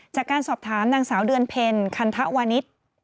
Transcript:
จากการสอบถามนางสาวเดือนเพ็ญคันทวานิส